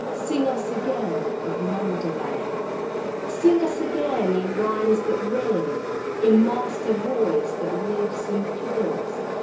— Sing us again of Mandalay! Sing us again in rhymes that ring, In Master Voice that lives and thrills.